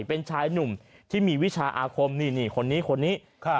เป็นชายหนุ่มที่มีวิชาอาคมนี่คนนี้คนนี้